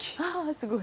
すごい。